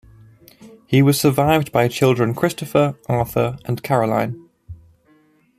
He was survived by children Christopher, Arthur, and Caroline.